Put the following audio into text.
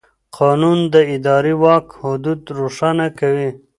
قانون د اداري واک حدود روښانه کوي.